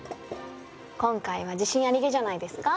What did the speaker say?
今回は自信ありげじゃないですか？